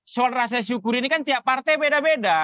soal rasa syukur ini kan tiap partai beda beda